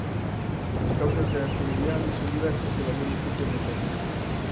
As causas da esterilidade son diversas e varían en función do sexo.